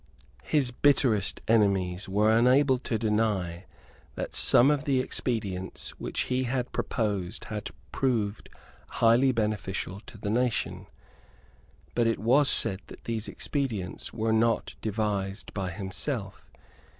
His bitterest enemies were unable to deny that some of the expedients which he had proposed had proved highly beneficial to the nation. But it was said that these expedients were not devised by himself.